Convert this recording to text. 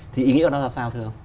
thì ý nghĩa của nó là sao thưa ông